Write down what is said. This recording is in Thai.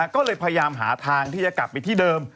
ก็เลยพยายามหาทางที่จะกลับไปที่เดิม